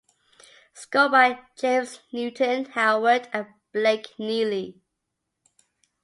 Score by James Newton Howard and Blake Neely.